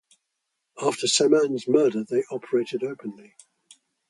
After Semans' murder, they operated openly.